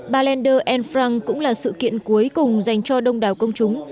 ballender frank cũng là sự kiện cuối cùng dành cho đông đảo công chúng